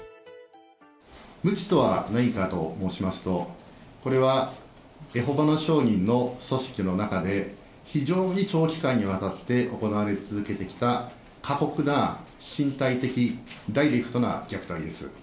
むちとは何かと申しますと、これは、エホバの証人の組織の中で、非常に長期間にわたって行われ続けてきた、過酷な身体的、ダイレクトな虐待です。